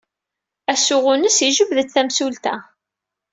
Asuɣu-nnes yejbed-d tamsulta.